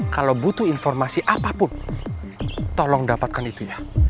kalau butuh informasi apapun tolong dapatkan itu ya